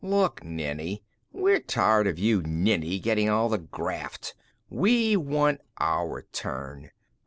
"Look, Nenni, we're tired of you Nenni getting all the graft. We want our turn.